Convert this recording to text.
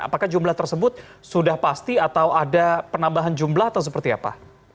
apakah jumlah tersebut sudah pasti atau ada penambahan jumlah atau seperti apa